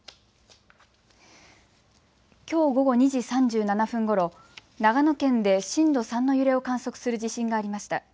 きょう午後２時３７分ごろ長野県で震度３の揺れを観測する地震がありました。